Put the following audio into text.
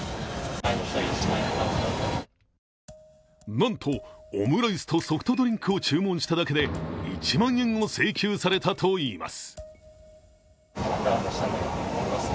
なんとオムライスとソフトドリンクを注文しただけで１万円を請求されたといいます。